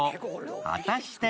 果たして